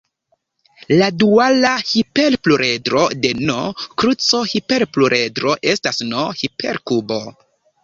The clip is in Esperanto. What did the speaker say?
La duala hiperpluredro de "n"-kruco-hiperpluredro estas "n"-hiperkubo.